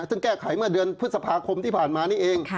ซึ่งแก้ไขเมื่อเดือนพฤษภาคมที่ผ่านมานี่เอง